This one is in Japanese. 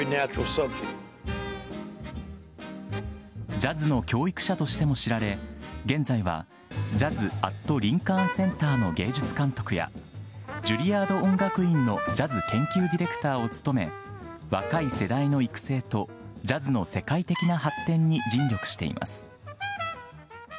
ジャズの教育者としても知られ現在はジャズ・アット・リンカーン・センターの芸術監督やジュリアード音楽院のジャズ研究ディレクターを務め若い世代の育成とジャズの世界的な発展に尽力しています。